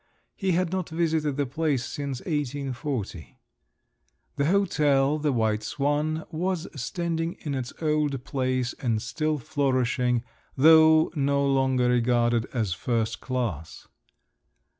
He had not visited the place since 1840. The hotel, the White Swan, was standing in its old place and still flourishing, though no longer regarded as first class.